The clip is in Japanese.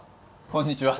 こんにちは。